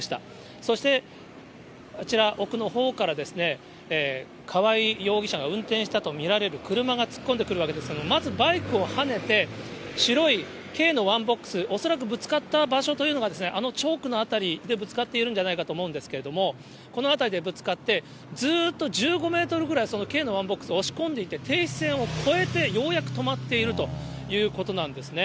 そしてあちら、奥のほうからですね、川合容疑者が運転していたと見られる車が突っ込んでくるわけですが、まず、バイクをはねて、白い軽のワンボックス、恐らくぶつかった場所というのがですね、あのチョークの辺りでぶつかっているんじゃないかと思うんですけれども、この辺りでぶつかって、ずっと１５メートルぐらい、その軽のワンボックス押し込んでいって、停止線を越えて、ようやく止まっているということなんですね。